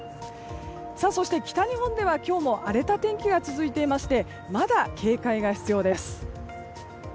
そして、北日本では今日も荒れた天気が続いていましてまだ警戒が必要です。